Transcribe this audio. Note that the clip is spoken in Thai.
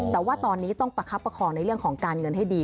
แต่ว่าตอนนี้ต้องประคับประคองในเรื่องของการเงินให้ดี